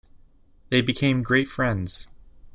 They became great friends.